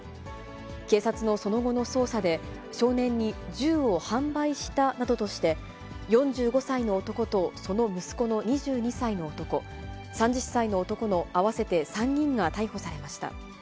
警察のその後の捜査で、少年に銃を販売したなどとして、４５歳の男と、その息子の２２歳の男、３０歳の男の合わせて３人が逮捕されました。